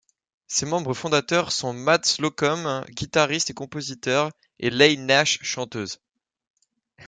Ses membres fondateurs sont Matt Slocum, guitariste et compositeur, et Leigh Nash, chanteuse.